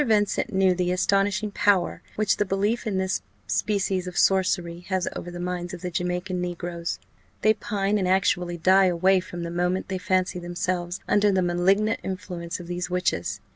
Vincent knew the astonishing power which the belief in this species of sorcery has over the minds of the Jamaica negroes; they pine and actually die away from the moment they fancy themselves under the malignant influence of these witches.